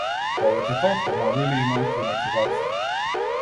Повеќето автомобили имаат климатизација.